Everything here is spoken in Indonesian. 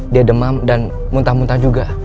dia demam dan muntah muntah juga